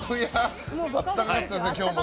暖かかったですね、今日も。